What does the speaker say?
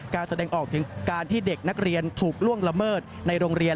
แสดงออกถึงการที่เด็กนักเรียนถูกล่วงละเมิดในโรงเรียน